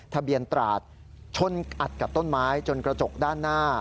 ตราดชนอัดกับต้นไม้จนกระจกด้านหน้า